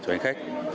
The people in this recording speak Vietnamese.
cho hành khách